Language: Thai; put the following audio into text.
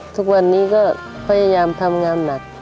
ทุกวันนี้ก็พยายามทำงานหนัก